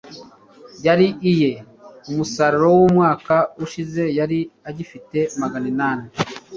yari iye, umusaruro w'umwaka ushize. yari agifite magana inani